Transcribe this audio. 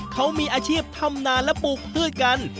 เขามีอาชีพทำนานและปลูกพืชกัน